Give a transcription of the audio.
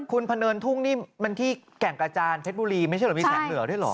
คุณพะเนินทุ่งนี่มันที่แก่งกระจานเพชรบุรีไม่ใช่เหรอมีแสงเหนือด้วยเหรอ